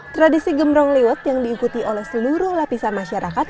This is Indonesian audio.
tradisi gembrong liwut yang diikuti oleh seluruh lapisan masyarakat